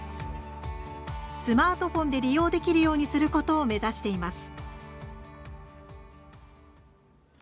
スマートフォンで利用できるようにすることを目指しています。